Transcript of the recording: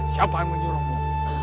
siapa yang menyuruhmu